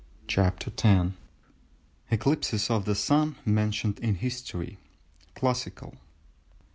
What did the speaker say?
] CHAPTER X. ECLIPSES OF THE SUN MENTIONED IN HISTORY—CLASSICAL.